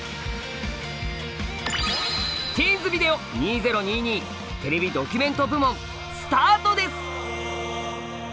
「ティーンズビデオ２０２２」「テレビドキュメント部門」スタートです！